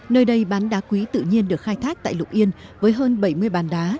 nơi đây bán đá quý tự nhiên được khai thác tại lục yên với hơn bảy mươi bàn đá